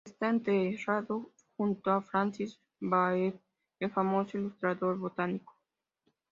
Está enterrado junto a Francis Bauer, el famoso ilustrador botánico.